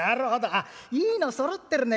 あっいいのそろってるね！